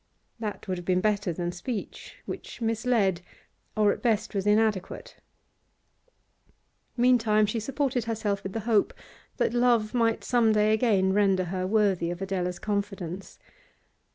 That would have been better than speech, which misled, or at best was inadequate. Meantime she supported herself with the hope that love might some day again render her worthy of Adela's confidence.